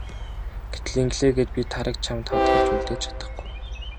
Гэтэл ингэлээ гээд би Тараг чамд хадгалж үлдээж чадахгүй.